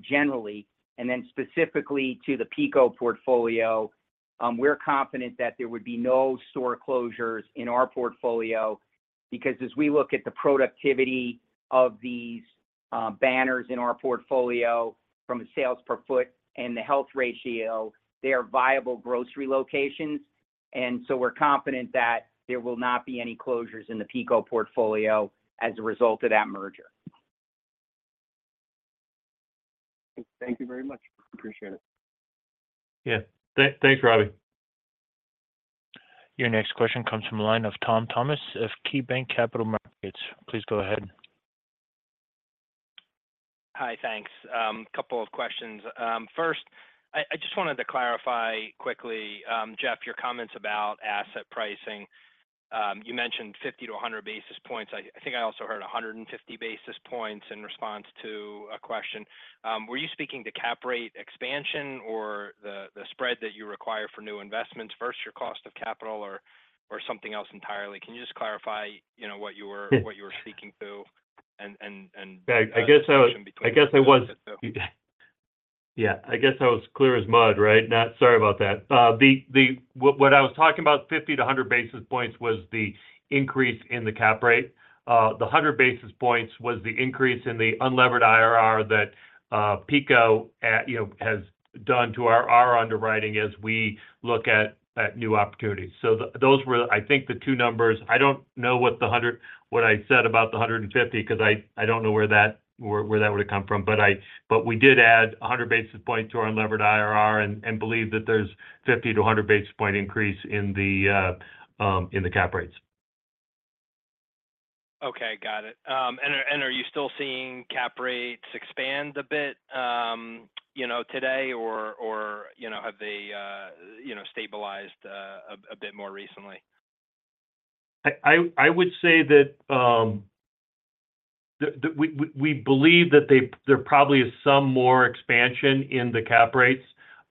generally, and then specifically to the PECO portfolio, we're confident that there would be no store closures in our portfolio, because as we look at the productivity of these banners in our portfolio from a sales per foot and the health ratio, they are viable grocery locations. So we're confident that there will not be any closures in the PECO portfolio as a result of that merger. Thank you very much. Appreciate it. Yeah. Thanks, Ravi. Your next question comes from the line of Todd Thomas of KeyBanc Capital Markets. Please go ahead. Hi, thanks. two questions. First, I, I just wanted to clarify quickly, Jeff, your comments about asset pricing. You mentioned 50-100 basis points. I, I think I also heard 150 basis points in response to a question. Were you speaking to cap rate expansion or the, the spread that you require for new investments versus your cost of capital or, or something else entirely? Can you just clarify, you know, what you were speaking to? I guess I was- between the two. I guess I was... Yeah, I guess I was clear as mud, right? Not, sorry about that. The, the, what, what I was talking about 50 to 100 basis points was the increase in the cap rate. The 100 basis points was the increase in the unlevered IRR that PECO, you know, has done to our, our underwriting as we look at, at new opportunities. Those were, I think, the two numbers. I don't know what the hundred-- what I said about the 150, because I, I don't know where that, where, where that would have come from, but we did add 100 basis point to our unlevered IRR and believe that there's 50 to 100 basis point increase in the cap rates. Okay, got it. Are, and are you still seeing cap rates expand a bit, you know, today or, or, you know, have they, you know, stabilized a bit more recently? I, I, I would say that the, the, we, we, we believe that there probably is some more expansion in the cap rates,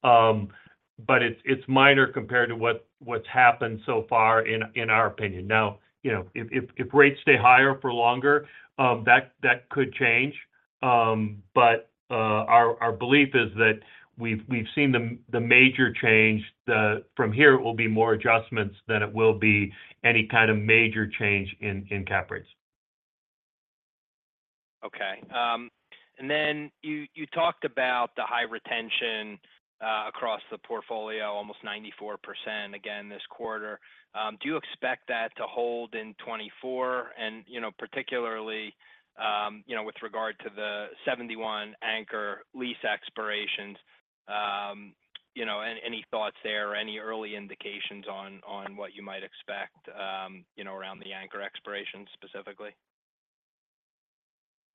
but it's, it's minor compared to what, what's happened so far in, in our opinion. Now, you know, if, if, if rates stay higher for longer, that, that could change. Our, our belief is that we've, we've seen the major change. From here, it will be more adjustments than it will be any kind of major change in, in cap rates. And then you, you talked about the high retention across the portfolio, almost 94% again this quarter. Do you expect that to hold in 2024? You know, particularly, you know, with regard to the 71 anchor lease expirations, you know, any, any thoughts there or any early indications on, on what you might expect, you know, around the anchor expirations specifically?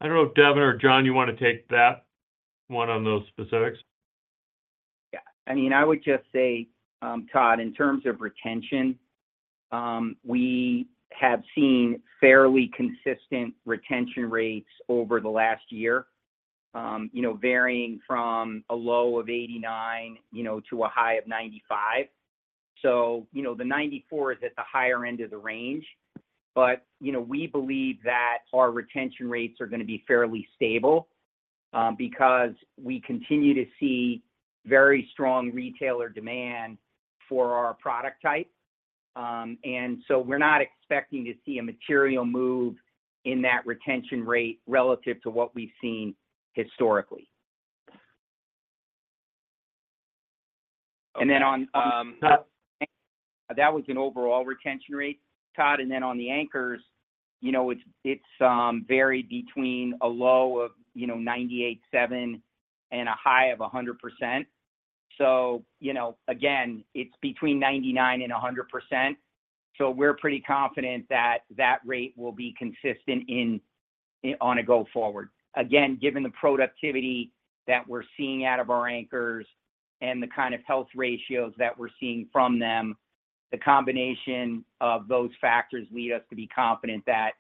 I don't know if Devin or John, you want to take that one on those specifics. Yeah. I mean, I would just say, Todd, in terms of retention, we have seen fairly consistent retention rates over the last year. You know, varying from a low of 89%, you know, to a high of 95%. So, you know, the 94% is at the higher end of the range, but, you know, we believe that our retention rates are going to be fairly stable, because we continue to see very strong retailer demand for our product type. So we're not expecting to see a material move in that retention rate relative to what we've seen historically. Then on, that was an overall retention rate, Todd, then on the anchors, you know, it's, it's, varied between a low of, you know, 98.7%, and a high of 100%. You know, again, it's between 99% and 100%, so we're pretty confident that that rate will be consistent in, on a go forward. Again, given the productivity that we're seeing out of our anchors and the kind of health ratios that we're seeing from them, the combination of those factors lead us to be confident that,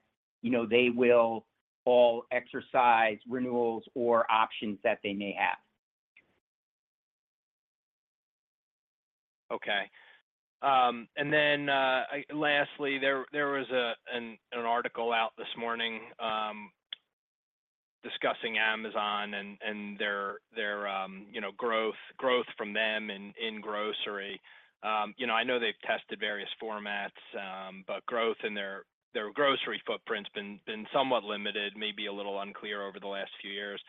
you know, they will all exercise renewals or options that they may have. Okay. And then, lastly, there, there was an article out this morning, discussing Amazon and their, their, you know, growth, growth from them in grocery. You know, I know they've tested various formats, but growth in their, their grocery footprint's been, been somewhat limited, maybe a little unclear over the last few years.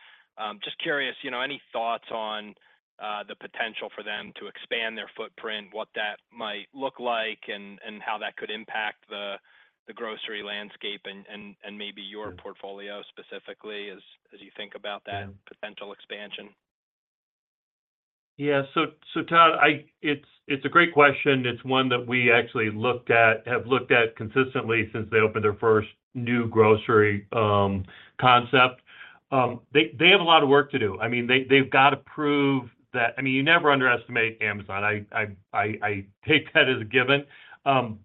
Just curious, you know, any thoughts on the potential for them to expand their footprint, what that might look like, and how that could impact the, the grocery landscape and maybe your portfolio specifically as, as you think about that potential expansion? Yeah. So Todd, I- it's, it's a great question. It's one that we actually looked at, have looked at consistently since they opened their first new grocery concept. They, they have a lot of work to do. I mean, they, they've got to prove that. I mean, you never underestimate Amazon. I, I, I, I take that as a given. On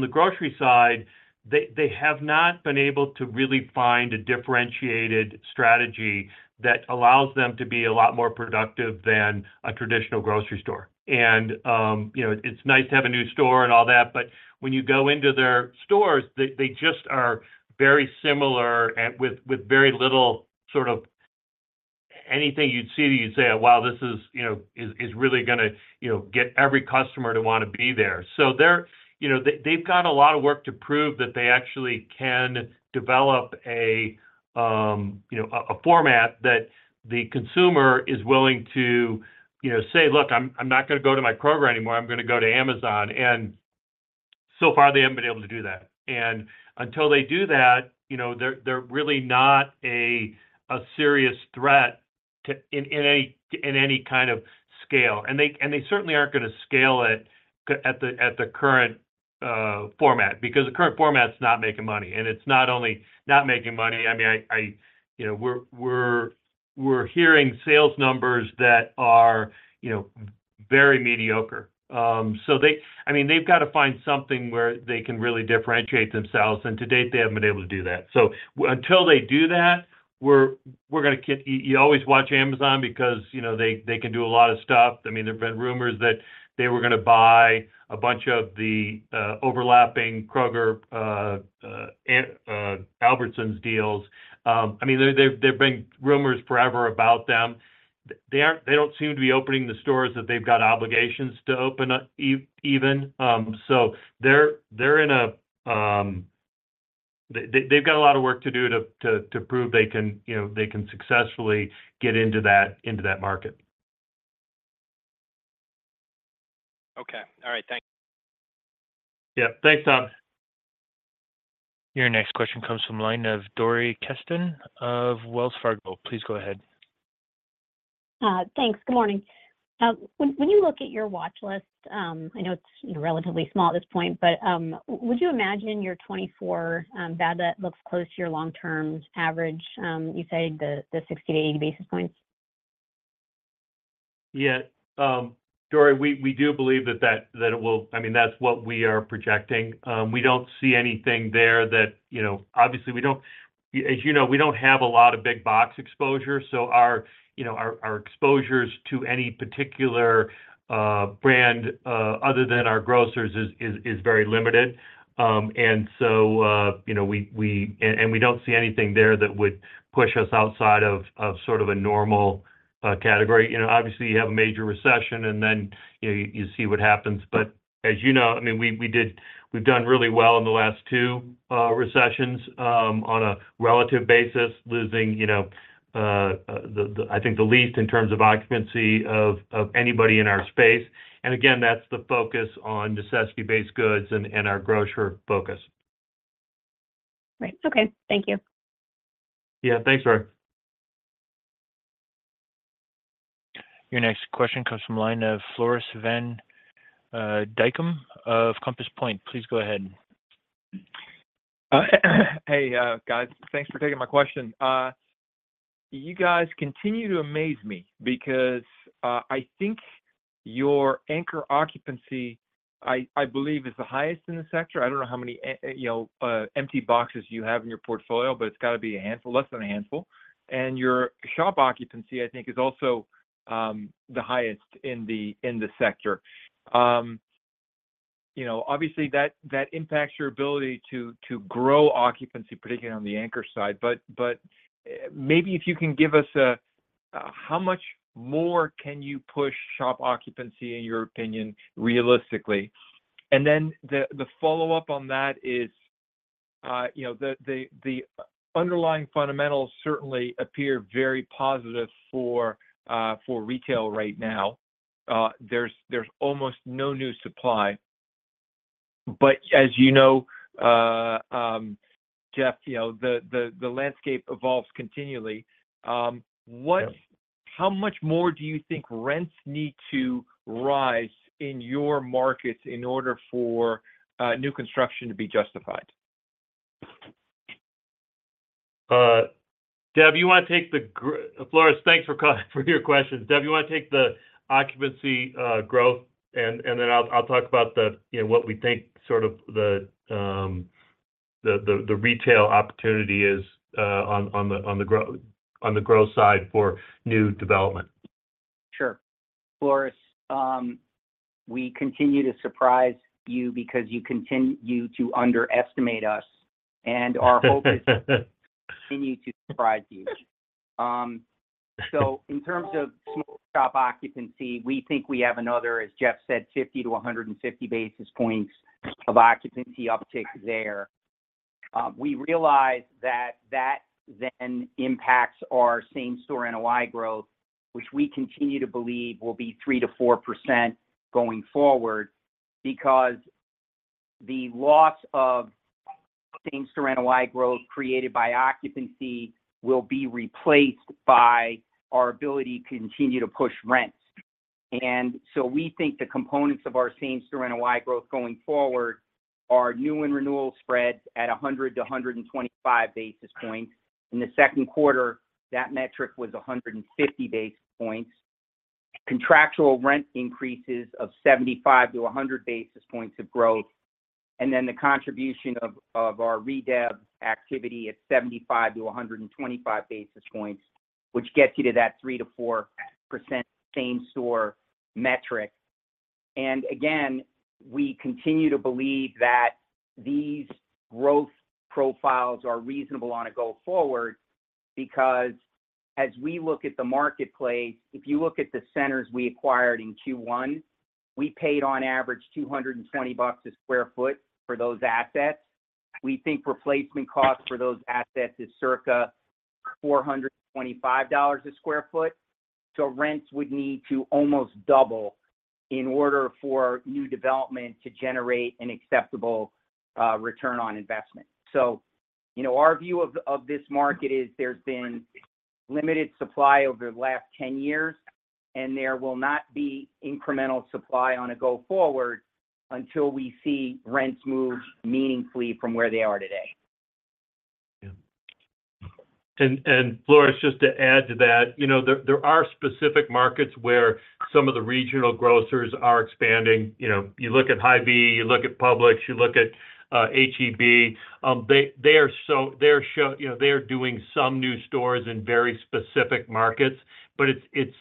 the grocery side, they, they have not been able to really find a differentiated strategy that allows them to be a lot more productive than a traditional grocery store. You know, it's nice to have a new store and all that, but when you go into their stores, they, they just are very similar and with, with very little sort of anything you'd see, you'd say, "Wow, this is, you know, is, is really going to, you know, get every customer to want to be there." They're, you know, they, they've got a lot of work to prove that they actually can develop a, you know, a, a format that the consumer is willing to, you know, say, "Look, I'm, I'm not going to go to my Kroger anymore. I'm going to go to Amazon." So far, they haven't been able to do that. Until they do that, you know, they're, they're really not a, a serious threat to, in, in a, in any kind of scale. They, and they certainly aren't going to scale it at the, at the current format, because the current format is not making money. It's not only not making money, I mean, I, I, you know, we're, we're, we're hearing sales numbers that are, you know, very mediocre. They-- I mean, they've got to find something where they can really differentiate themselves, and to date, they haven't been able to do that. Until they do that, we're, we're going to keep-- You always watch Amazon because, you know, they, they can do a lot of stuff. I mean, there have been rumors that they were going to buy a bunch of the overlapping Kroger Albertsons deals. I mean, there, there, there have been rumors forever about them. They don't seem to be opening the stores that they've got obligations to open up even. They're, they're in a, they, they've got a lot of work to do to prove they can, you know, they can successfully get into that, into that market. Okay. All right. Thank you. Yeah. Thanks, Todd. Your next question comes from line of Dori Kesten of Wells Fargo. Please go ahead. Thanks. Good morning. When, when you look at your watch list, I know it's relatively small at this point, but, would you imagine your 2024 bad debt looks close to your long-term average, you said the, the 60-80 basis points? Yeah. Dori, we, we do believe that it will. I mean, that's what we are projecting. We don't see anything there that, you know, obviously we don't. As you know, we don't have a lot of big box exposure, so our, you know, our exposures to any particular brand other than our grocers is very limited. So, you know, we and we don't see anything there that would push us outside of sort of a normal category. You know, obviously, you have a major recession, and then, you see what happens. As you know, I mean, we, we did- we've done really well in the last two recessions on a relative basis, losing, you know, the, the, I think the least in terms of occupancy of, of anybody in our space. Again, that's the focus on necessity-based goods and, and our grocer focus. Right. Okay, thank you. Yeah, thanks, Barry. Your next question comes from line of Floris van Dijkum of Compass Point. Please go ahead. Hey, guys, thanks for taking my question. You guys continue to amaze me because I think your anchor occupancy, I, I believe, is the highest in the sector. I don't know how many you know, empty boxes you have in your portfolio, but it's got to be a handful, less than a handful. Your shop occupancy, I think, is also the highest in the, in the sector. You know, obviously, that, that impacts your ability to, to grow occupancy, particularly on the anchor side. But maybe if you can give us a, how much more can you push shop occupancy, in your opinion, realistically? Then the, the follow-up on that is, you know, the, the, the underlying fundamentals certainly appear very positive for retail right now. There's, there's almost no new supply. As you know, Jeff, you know, the, the, the landscape evolves continually. Yeah how much more do you think rents need to rise in your markets in order for new construction to be justified? Floris, thanks for calling for your question. Deb, you want to take the occupancy growth, and, and then I'll, I'll talk about the, you know, what we think sort of the, the, the, the retail opportunity is on, on the growth side for new development. Sure. Floris, we continue to surprise you because you to underestimate us, our hope is continue to surprise you. In terms of small shop occupancy, we think we have another, as Jeff said, 50 to 150 basis points of occupancy uptick there. We realize that that then impacts our same store NOI growth, which we continue to believe will be 3%-4% going forward. The loss of same store NOI growth created by occupancy will be replaced by our ability to continue to push rents. We think the components of our same store NOI growth going forward are new and renewal spreads at 100 to 125 basis points. In the second quarter, that metric was 150 basis points. Contractual rent increases of 75-100 basis points of growth, then the contribution of our Redev activity at 75-125 basis points, which gets you to that 3%-4% same store metric. Again, we continue to believe that these growth profiles are reasonable on a go forward because as we look at the marketplace, if you look at the centers we acquired in Q1, we paid on average $220 a sq ft for those assets. We think replacement costs for those assets is circa $425 a sq ft. Rents would need to almost double in order for new development to generate an acceptable return on investment. You know, our view of, of this market is there's been limited supply over the last 10 years, and there will not be incremental supply on a go forward until we see rents move meaningfully from where they are today. Yeah. and Floris, just to add to that, you know, there, there are specific markets where some of the regional grocers are expanding. You look at Hy-Vee, you look at Publix, you look at H-E-B, they, they are doing some new stores in very specific markets. it's, it's,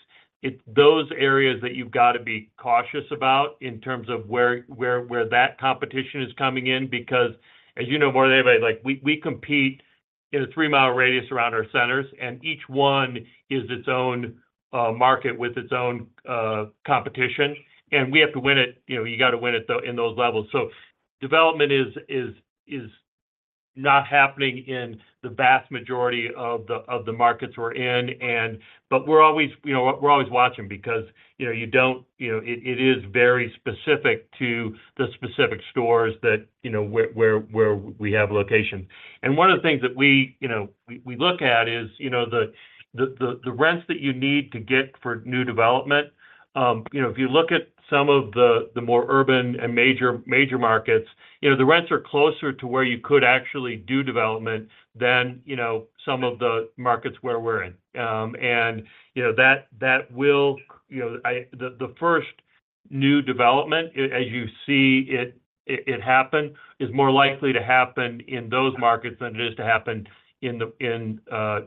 it's those areas that you've got to be cautious about in terms of where, where, where that competition is coming in, because as you know more than anybody, like, we, we compete in a 3 mi radius around our centers, and each one is its own market with its own competition, and we have to win it. You got to win it though, in those levels. development is, is, is not happening in the vast majority of the, of the markets we're in, and. We're always, you know, we're always watching because, you know, you don't, you know, it, it is very specific to the specific stores that, you know, where, where, where we have locations. One of the things that we, you know, we, we look at is, you know, the, the, the, the rents that you need to get for new development. You know, if you look at some of the, the more urban and major, major markets, you know, the rents are closer to where you could actually do development than, you know, some of the markets where we're in. You know, that, that will, you know, the, the first new development, as you see it, it, it happen, is more likely to happen in those markets than it is to happen in the, in,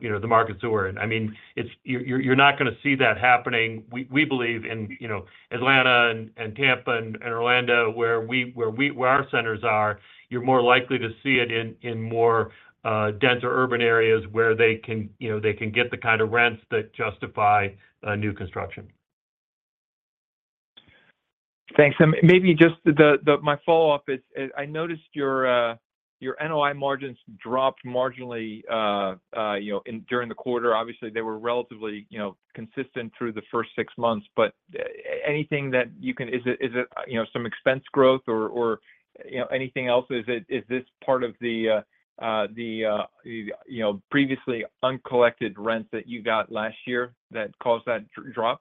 you know, the markets that we're in. I mean, it's you're, you're, you're not gonna see that happening. We, we believe in, you know, Atlanta and, and Tampa and, and Orlando, where we, where we where our centers are, you're more likely to see it in, in more denser urban areas where they can, you know, they can get the kind of rents that justify new construction. Thanks. Maybe just the, the, my follow-up is, is I noticed your, your NOI margins dropped marginally, you know, in during the quarter. Obviously, they were relatively, you know, consistent through the first six months, anything that you can-- is it, is it, you know, some expense growth or, or, you know, anything else? Is it, is this part of the, the, you know, previously uncollected rent that you got last year that caused that drop?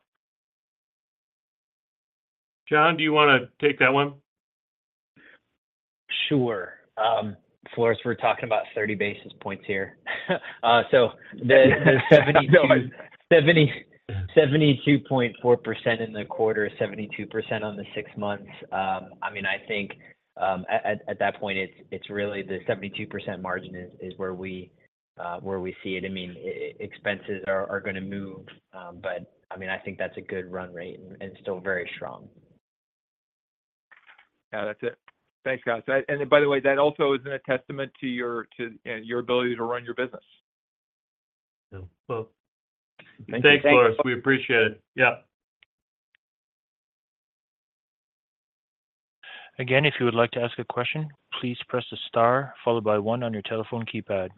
John, do you want to take that one? Sure. Floris, we're talking about 30 basis points here. I know... 72.4% in the quarter, 72% on the six months. I mean, I think, at that point, it's, it's really the 72% margin is, is where we, where we see it. I mean, expenses are, are gonna move, I mean, I think that's a good run rate and, and still very strong. Yeah, that's it. Thanks, guys. By the way, that also isn't a testament to your, to, your ability to run your business. Well, thank you, Floris. We appreciate it. Yeah. Again, if you would like to ask a question, please press the star followed by one on your telephone keypad.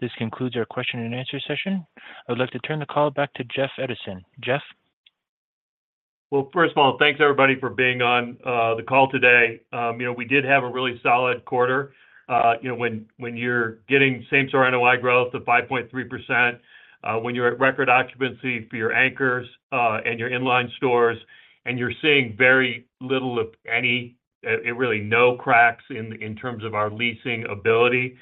This concludes our question and answer session. I would like to turn the call back to Jeff Edison. Jeff? Well, first of all, thanks everybody for being on the call today. You know, we did have a really solid quarter. You know, when, when you're getting same-store NOI growth to 5.3%, when you're at record occupancy for your anchors, and your in-line stores, and you're seeing very little of any, and really no cracks in, in terms of our leasing ability,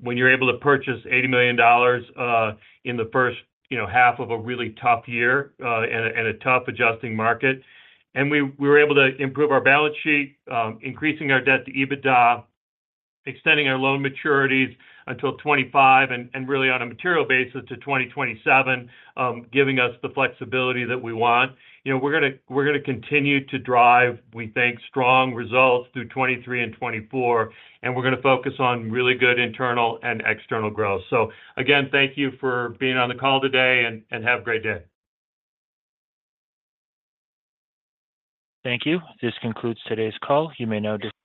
when you're able to purchase $80 million in the first, you know, half of a really tough year, and a, and a tough adjusting market. We, we were able to improve our balance sheet, increasing our debt to EBITDA, extending our loan maturities until 2025, and, and really on a material basis to 2027, giving us the flexibility that we want. You know, we're gonna, we're gonna continue to drive, we think, strong results through 2023 and 2024, and we're gonna focus on really good internal and external growth. Again, thank you for being on the call today, and, and have a great day. Thank you. This concludes today's call. You may now disconnect.